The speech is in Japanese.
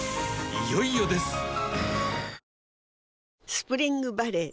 スプリングバレー